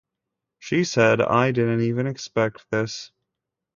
She said I didn't even expect this.